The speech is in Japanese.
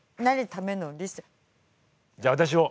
じゃあ私も。